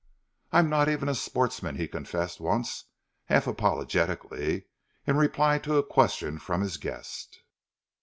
"I am not even a sportsman," he confessed once, half apologetically, in reply to a question from his guest.